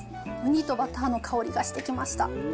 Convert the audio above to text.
うにとバターの香りがしてきました。